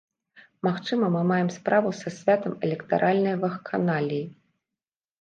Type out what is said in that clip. Магчыма, мы маем справу са святам электаральнай вакханаліі.